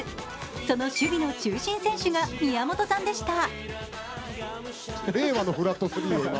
その守備の中心選手が宮本さんでした。